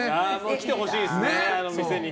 来てほしいですね、あの店に。